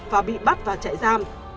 và bị bắt vào chạy giam